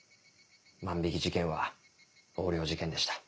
万引事件は横領事件でした。